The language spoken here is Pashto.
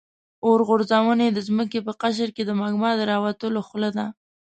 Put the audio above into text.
اورغورځونې د ځمکې په قشر کې د مګما د راوتلو خوله ده.